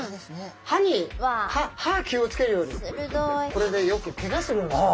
これでよくけがするんですよ。